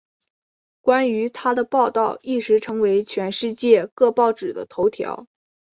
关于她的报道一时成为全世界各报纸的头条。